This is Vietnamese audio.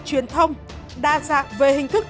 truyền thông đa dạng về hình thức